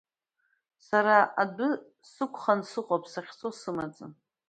Сара адәы сықәханы сыҟоуп, сахьцо сымаӡам.